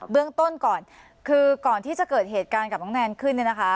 เรื่องต้นก่อนคือก่อนที่จะเกิดเหตุการณ์กับน้องแนนขึ้นเนี่ยนะคะ